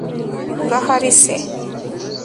urahari se